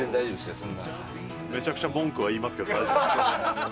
めちゃくちゃ文句は言いますけど大丈夫。